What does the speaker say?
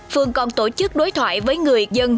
phường còn tổ chức đối thoại với người dân